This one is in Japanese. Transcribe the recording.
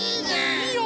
いいよ！